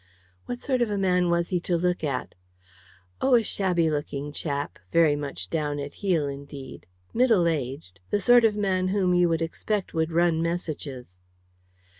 "What sort of a man was he to look at?" "Oh, a shabby looking chap, very much down at heel indeed, middle aged; the sort of man whom you would expect would run messages."